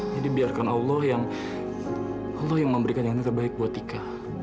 jadi biarkan allah yang memberikan yang terbaik buat tika